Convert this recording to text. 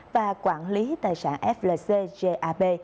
và quản lý tài sản flc gap